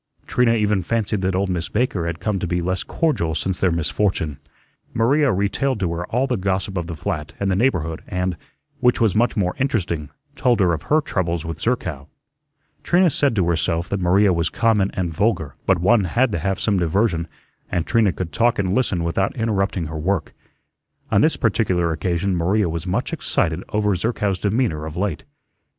Trina even fancied that old Miss Baker had come to be less cordial since their misfortune. Maria retailed to her all the gossip of the flat and the neighborhood, and, which was much more interesting, told her of her troubles with Zerkow. Trina said to herself that Maria was common and vulgar, but one had to have some diversion, and Trina could talk and listen without interrupting her work. On this particular occasion Maria was much excited over Zerkow's demeanor of late.